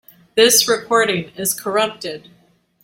This recording is corrupted.